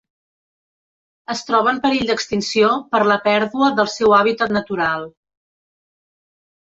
Es troba en perill d'extinció per la pèrdua del seu hàbitat natural.